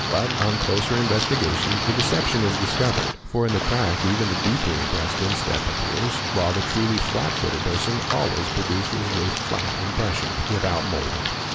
But | closer investigation the deception is discovered, for in the track even ' 63 h 498 FOOTPRINTS the deeply impressed instep appears, while the truly flat footed person always produces a flat impression, without moulding.